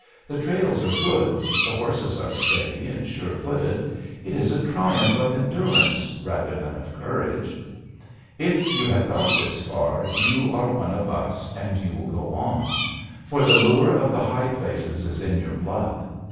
The trails are good. The horses are steady and sure footed. It is a triumph of endurance rather than of courage. If you have got this far, you are one of us, and you will go on. For the lure of the high places is in your blood.